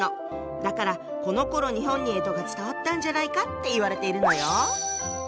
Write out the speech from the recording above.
だからこのころ日本に干支が伝わったんじゃないかっていわれているのよ。